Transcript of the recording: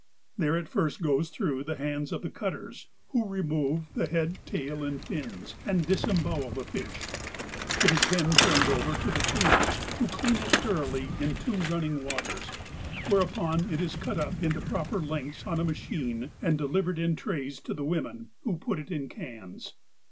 There it first goes through the hands of the cutters, who remove the head, tail, and fins, and dis embowel the fish. It is by them turned o^er to the cleaners, who clean it thoroughly in two running waters whereupon it is cut up into proper lengths on a machine,' and delivered m trays to the women, who put it in cans!